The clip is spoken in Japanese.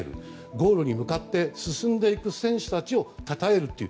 ゴールに向かって進んでいく選手たちをたたえるという。